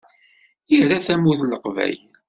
Ira Tamurt n Leqbayel.